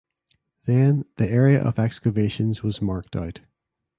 Then the area of excavations was marked out.